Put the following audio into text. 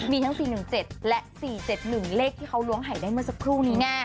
มีทั้ง๔๑๗และ๔๗๑เลขที่เขาล้วงหายได้เมื่อสักครู่นี้ไง